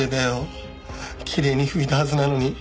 きれいに拭いたはずなのに。